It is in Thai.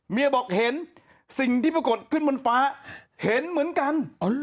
บอกเห็นสิ่งที่ปรากฏขึ้นบนฟ้าเห็นเหมือนกัน